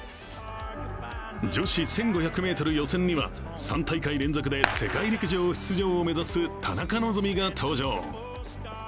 女子１５００メートル予選には３大会連続で世界陸上出場を目指す田中希実が登場。